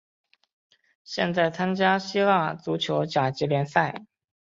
现在参加希腊足球甲级联赛。